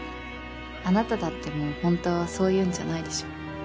あなただってもう本当はそういうんじゃないでしょ。